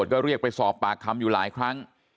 ก็เรียกไปสอบปากคำอยู่หลายครั้ง